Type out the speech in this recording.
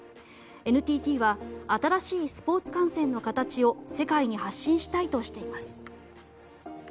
ＮＴＴは新しいスポーツ観戦の形を世界に発信したいとしています。